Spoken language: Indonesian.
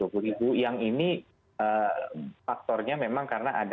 dua puluh ribu yang ini faktornya memang karena ada